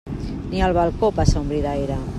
Ni al balcó passa un bri d'aire.